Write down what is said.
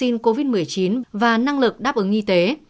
năng lực đáp ứng y tế